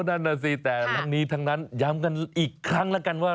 นั่นน่ะสิแต่ทั้งนี้ทั้งนั้นย้ำกันอีกครั้งแล้วกันว่า